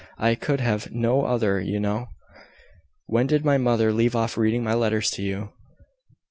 I could have no other, you know. When did my mother leave off reading my letters to you?"